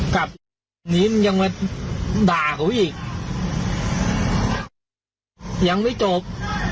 กลับนี่มันยังมาด่าของพี่อีกยังไม่จบ